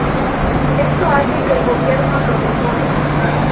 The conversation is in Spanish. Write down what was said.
Esto hace que el gobierno lo deporte.